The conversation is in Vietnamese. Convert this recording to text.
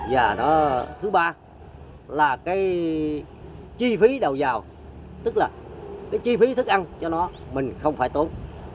và thứ ba là cái chi phí đầu giàu tức là cái chi phí thức ăn cho nó mình không phải tốn